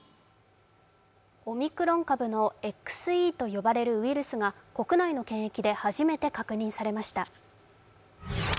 オミクロン株のＸＥと呼ばれるウイルスが国内の検疫で初めて確認されました。